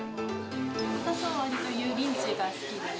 私はわりとユーリンチーが好きです。